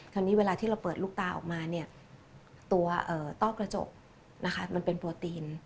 คราวนี้เวลาที่เราเปิดลูกตาออกมาเนี่ยตัวต้อกระจกนะคะมันเป็นโปรตีน